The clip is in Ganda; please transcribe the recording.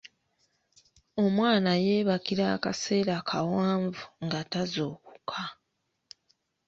Omwana yebakira akaseera kawanvu nga tazuukuka.